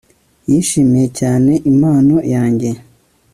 Yishimiye cyane impano yanjye